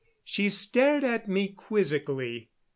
She stared at me quizzically.